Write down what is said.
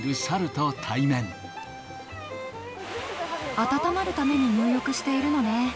温まるために入浴しているのね。